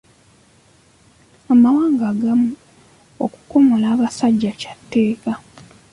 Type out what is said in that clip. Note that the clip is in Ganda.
Amawanga agamu, okukomola abasajja kya tteeka.